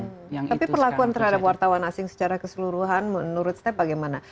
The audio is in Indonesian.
tapi perlakuan terhadap wartawan asing secara keseluruhan menurut step bagaimana